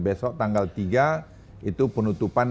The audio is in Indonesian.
besok tanggal tiga itu penutupan